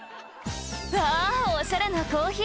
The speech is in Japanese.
「うわおしゃれなコーヒー